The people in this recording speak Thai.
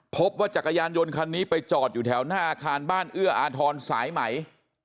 พบว่าจักรยานยนต์คันนี้ไปจอดอยู่แถวหน้าอาคารบ้านเอื้ออาทรสายใหม่